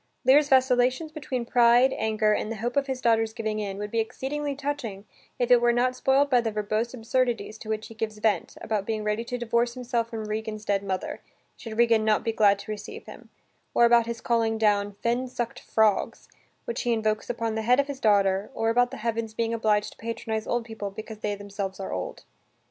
Lear's vacillations between pride, anger, and the hope of his daughters' giving in, would be exceedingly touching if it were not spoilt by the verbose absurdities to which he gives vent, about being ready to divorce himself from Regan's dead mother, should Regan not be glad to receive him, or about his calling down "fen suck'd frogs" which he invokes, upon the head of his daughter, or about the heavens being obliged to patronize old people because they themselves are old.